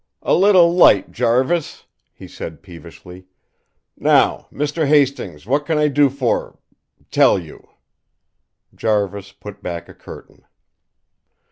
"A little light, Jarvis," he said peevishly. "Now, Mr. Hastings, what can I do for tell you?" Jarvis put back a curtain.